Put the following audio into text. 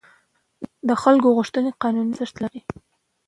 د خلکو غوښتنې قانوني ارزښت لري.